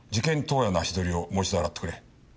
当夜の足取りをもう一度洗ってくれ。